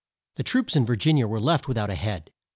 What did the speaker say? The troops in Vir gin i a were left with out a head.